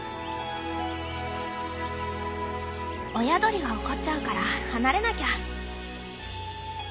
親鳥が怒っちゃうから離れなきゃ。